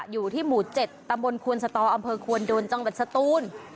อยู่ที่หมู่๗ตำบลควนสตออำเภอควนโดนจังหวัดสตูน